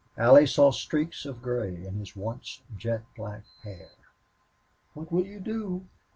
Allie saw streaks of gray in his once jet black hair. "What will you do?"